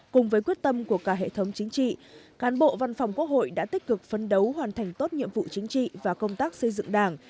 cùng với quyết tâm của cả hệ thống chính trị cán bộ văn phòng quốc hội đã tích cực phấn đấu hoàn thành tốt nhiệm vụ chính trị và công tác xây dựng đảng